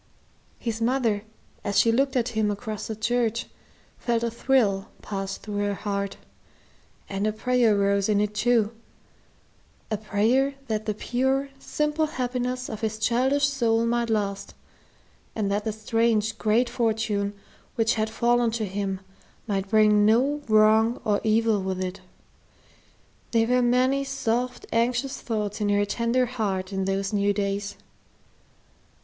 His mother, as she looked at him across the church, felt a thrill pass through her heart, and a prayer rose in it too, a prayer that the pure, simple happiness of his childish soul might last, and that the strange, great fortune which had fallen to him might bring no wrong or evil with it. There were many soft, anxious thoughts in her tender heart in those new days.